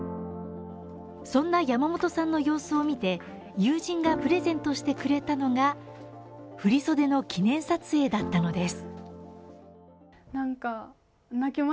そんな山本さんの様子を見て友人がプレゼントしてくれたのが振り袖の記念撮影だったのです。